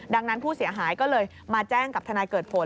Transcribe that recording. ดังนั้นผู้เสียหายก็เลยมาแจ้งกับทนายเกิดผล